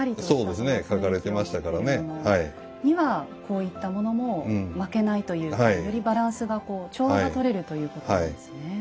そうですね書かれてましたからね。にはこういったものも負けないというかよりバランスが調和が取れるということなんですね。